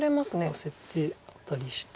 ヨセてアタリして。